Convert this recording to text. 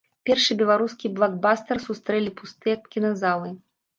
Першы беларускі блакбастар сустрэлі пустыя кіназалы.